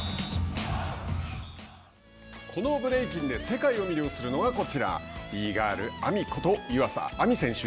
このブレイキンで世界を魅了するのがこちらＢ−ＧｉｒｌＡｍｉこと湯浅亜実選手